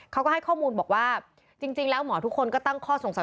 เขาก็ให้ข้อมูลบอกว่าจริงแล้วหมอทุกคนก็ตั้งข้อสงสัย